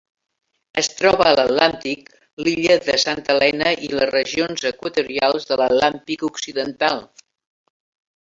Es troba a l'Atlàntic: l'illa de Santa Helena i les regions equatorials de l'Atlàntic occidental.